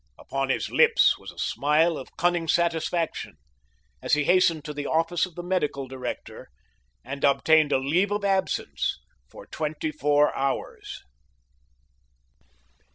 Upon his lips was a smile of cunning satisfaction, as he hastened to the office of the medical director and obtained a leave of absence for twenty four hours.